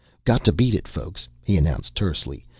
"Got to beat it, folks," he announced tersely.